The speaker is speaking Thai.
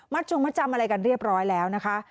จงมัดจำอะไรกันเรียบร้อยแล้วนะคะ